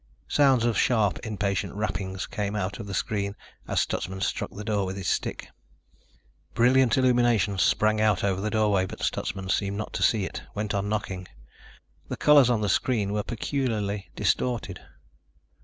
Sounds of sharp, impatient rappings came out of the screen as Stutsman struck the door with his stick. Brilliant illumination sprang out over the doorway, but Stutsman seemed not to see it, went on knocking. The colors on the screen were peculiarly distorted.